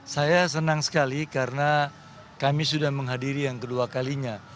saya senang sekali karena kami sudah menghadiri yang kedua kalinya